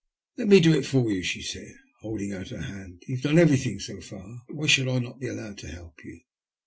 Let me do it for you/' she said, holding oni her hand. ''Ton have done everything so far. Why should I not be allowed to help you?"